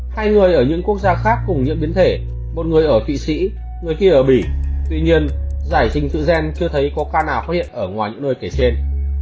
hai người ở những quốc gia khác cùng những biến thể một người ở thụy sĩ người khi ở bỉ tuy nhiên giải trình tự gen chưa thấy có ca nào phát hiện ở ngoài những nơi kể trên